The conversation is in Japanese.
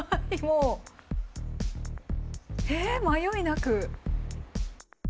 え迷いなく。